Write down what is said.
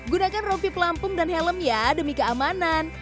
gunakan rompi pelampung dan helm ya demi keamanan